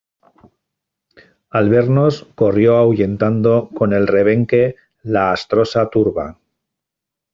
al vernos corrió ahuyentando con el rebenque la astrosa turba